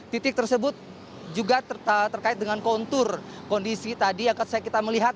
titik tersebut juga terkait dengan kontur kondisi tadi yang kita melihat